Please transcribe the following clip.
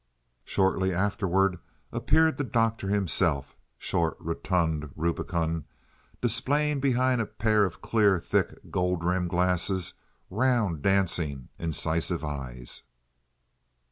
Shortly afterward appeared the doctor himself—short, rotund, rubicund, displaying behind a pair of clear, thick, gold rimmed glasses, round, dancing, incisive eyes.